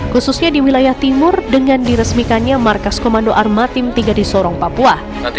khususnya di wilayah timur dengan diresmikannya markas komando armatim tiga di sorong papua